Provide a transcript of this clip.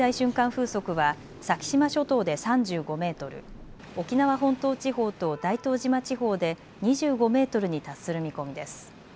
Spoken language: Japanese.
風速は先島諸島で３５メートル、沖縄本島地方と大東島地方で２５メートルに達する見込みです。